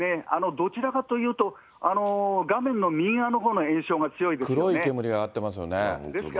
どちらかというと、画面の右側のほうの延焼が強いですね。